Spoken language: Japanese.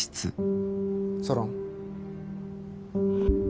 ソロン。